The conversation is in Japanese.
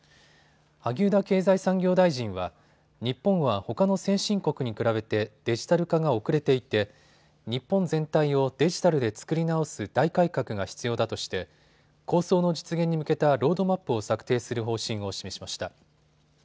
萩生田経済産業大臣は日本はほかの先進国に比べてデジタル化が遅れていて日本全体をデジタルで作り直す大改革が必要だとして構想の実現に向けたロードマップを策定する方針を示しました。